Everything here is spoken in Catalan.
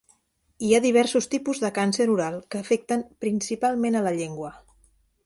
Hi ha diversos tipus de càncer oral que afecten principalment a la llengua.